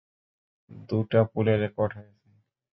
দুটা পুলে রেকর্ড হয়েছে।